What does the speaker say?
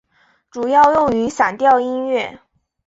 主要用于散调音乐。